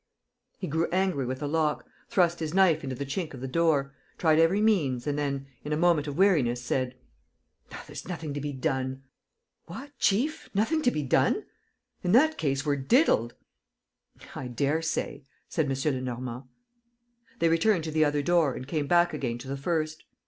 ." He grew angry with the lock, thrust his knife into the chink of the door, tried every means and then, in a moment of weariness, said: "There's nothing to be done!" "What, chief, nothing to be done? In that case, we're diddled!" "I dare say!" said M. Lenormand. ... They returned to the other door and came back again to the first.